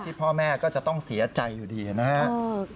พ่อแม่ก็จะต้องเสียใจอยู่ดีนะครับ